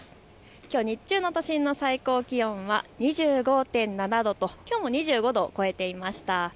きょう日中の都心の最高気温は２５．７度ときょうも２５度を超えていました。